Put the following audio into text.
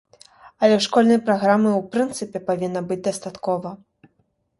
Але школьнай праграмы ў прынцыпе павінна быць дастаткова.